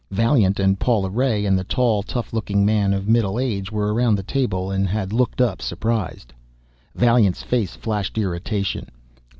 Vaillant and Paula Ray and a tall, tough looking man of middle age were around the table and had looked up, surprised. Vaillant's face flashed irritation.